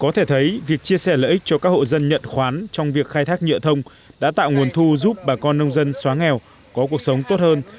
có thể thấy việc chia sẻ lợi ích cho các hộ dân nhận khoán trong việc khai thác nhựa thông đã tạo nguồn thu giúp bà con nông dân xóa nghèo có cuộc sống tốt hơn